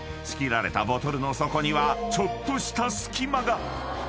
仕切られたボトルの底にはちょっとした隙間が］